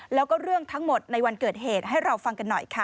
แล้วก็เรื่องทั้งหมดในวันเกิดเหตุให้เราฟังกันหน่อยค่ะ